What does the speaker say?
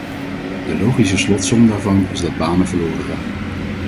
De logische slotsom daarvan is dat banen verloren gaan.